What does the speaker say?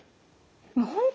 本当